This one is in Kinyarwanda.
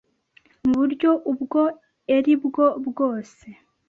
mu buryo ubwo eri bwo bwose.